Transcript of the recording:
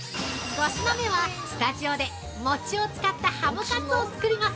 ◆５品目は、スタジオで餅を使ったハムカツを作ります。